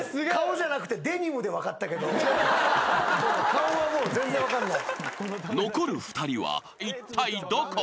顔はもう全然分かんない。